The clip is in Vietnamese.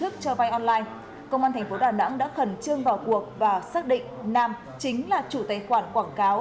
công an tp đà nẵng đã khẩn trương vào cuộc và xác định nam chính là chủ tài khoản quảng cáo